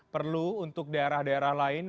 perlu untuk daerah daerah lain